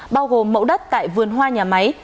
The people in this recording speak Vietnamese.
bao gồm mẫu đất tại vườn hoa nhà máy